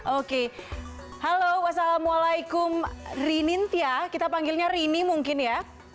oke halo wassalamualaikum rinintia kita panggilnya rini mungkin ya